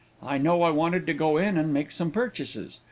I know I wanted to go in and make some purchases.